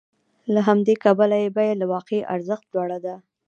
له همدې کبله یې بیه له واقعي ارزښت لوړه ده